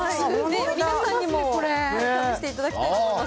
皆さんにも見せていただきたいと思います。